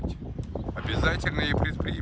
kita harus melakukan perubahan